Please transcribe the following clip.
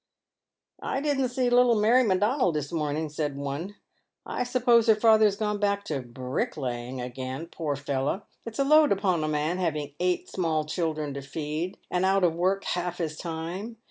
" I didn't see little Mary M'Donald this morning," said one ;" I suppose her father's gone back to ' brick laying' again. Poor feller ! it's a load upon a man having eight small children to feed, and out of work half his time.